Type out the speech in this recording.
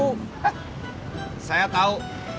hah saya tahu